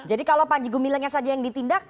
jadi kalau pak jiko bilang saja yang ditindak